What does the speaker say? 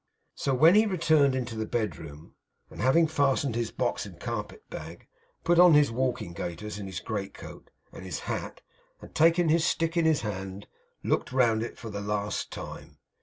So, when he returned into the bedroom, and, having fastened his box and a carpet bag, put on his walking gaiters, and his great coat, and his hat, and taken his stick in his hand, looked round it for the last time.